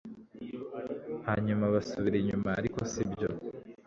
Hanyuma basubira inyuma ariko sibyo